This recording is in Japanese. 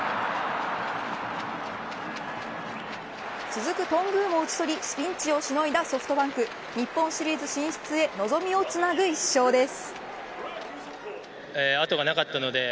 続く頓宮も打ち取りピンチをしのいだソフトバンク。日本シリーズ進出へ望みをつなぐ１勝です。